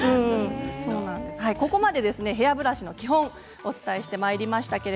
ここまでヘアブラシの基本をお伝えしました。